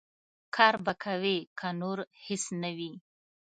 کار به کوې، که نور هېڅ نه وي.